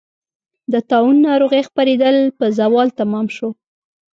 د طاعون ناروغۍ خپرېدل په زوال تمام شو.